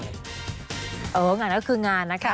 งานก็คืองานนะคะ